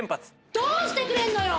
どうしてくれんのよ？